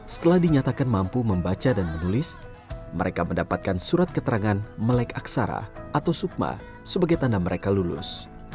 setelah dinyatakan mampu membaca dan menulis mereka mendapatkan surat keterangan melek aksara atau sukma sebagai tanda mereka lulus